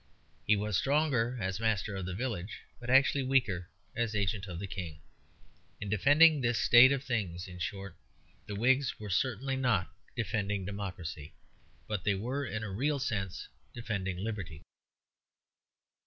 He was stronger as master of the village, but actually weaker as agent of the King. In defending this state of things, in short, the Whigs were certainly not defending democracy, but they were in a real sense defending liberty.